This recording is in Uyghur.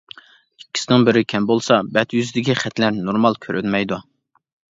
ئىككىسىنىڭ بىرى كەم بولسا بەت يۈزىدىكى خەتلەر نورمال كۆرۈنمەيدۇ.